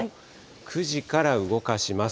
９時から動かします。